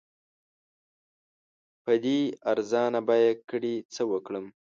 په دې ارزان بیه ګړي څه وکړم؟